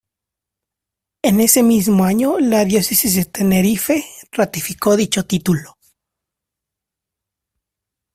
En ese mismo año la Diócesis de Tenerife ratificó dicho título.